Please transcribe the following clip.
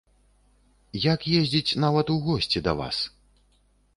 Як ездзіць нават у госці да вас?!